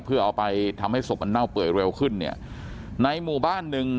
เพื่อเอาไปทำให้ศพมันเน่าเปื่อยเร็วขึ้นเนี่ยในหมู่บ้านหนึ่ง